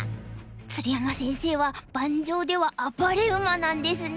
鶴山先生は盤上では「暴れ馬」なんですね。